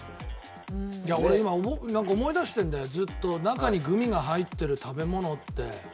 いや俺今思い出してるんだよずっと中にグミが入ってる食べ物って。